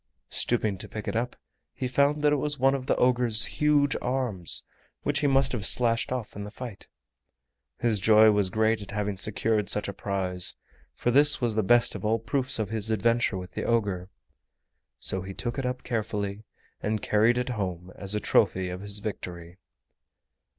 Stooping to pick it up he found that it was one of the ogre's huge arms which he must have slashed off in the fight. His joy was great at having secured such a prize, for this was the best of all proofs of his adventure with the ogre. So he took it up carefully and carried it home as a trophy of his victory.